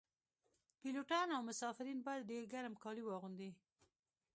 پیلوټان او مسافرین باید ډیر ګرم کالي واغوندي